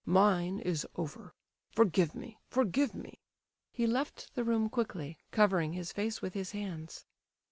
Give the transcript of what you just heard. Mine is over. Forgive me, forgive me!" He left the room quickly, covering his face with his hands.